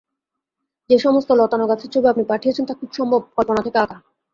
যে সমস্ত লতানো গাছের ছবি আপনি পাঠিয়েছেন, তা খুব সম্ভব কল্পনা থেকে আঁকা।